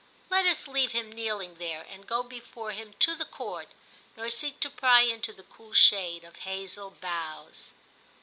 Let us leave him kneeling there, and go before him to the Court, nor seek to pry into that cool shade of hazel boughs.